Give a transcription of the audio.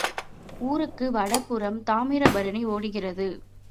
ஊருக்கு வடபுறம் தாமிரபரணி ஓடுகிறது.